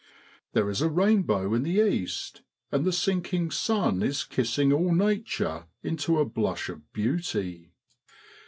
There is a rainbow in the east, and the sinking sun is kissing all Nature into a blush of beauty.